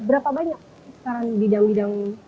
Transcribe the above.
berapa banyak sekarang bidang bidang